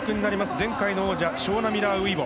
前回の王者ショーニー・ミラー・ウイボ。